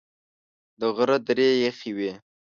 د غره درې یخي وې .